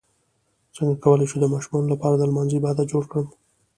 څنګه کولی شم د ماشومانو لپاره د لمانځه عادت جوړ کړم